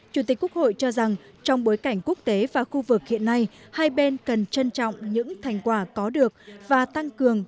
chủ tịch quốc hội cho rằng trong bối cảnh quốc tế và khu vực hiện nay hai bên cần trân trọng những thành quả có được và tăng cường